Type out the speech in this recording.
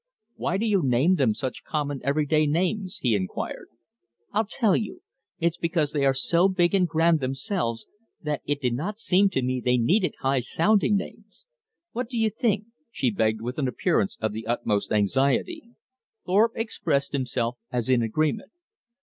"Why do you name them such common, everyday names?" he inquired. "I'll tell you. It's because they are so big and grand themselves, that it did not seem to me they needed high sounding names. What do you think?" she begged with an appearance of the utmost anxiety. Thorpe expressed himself as in agreement.